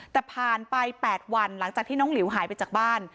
แต่ผ่านไป๘วันหลังจากที่น้องหลิวหายไปจากบ้าน